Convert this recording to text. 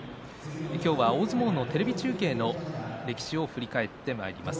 今日は大相撲のテレビ中継の歴史を振り返ってまいります。